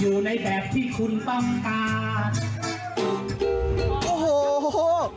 อยู่ในแบบที่คุณปำการ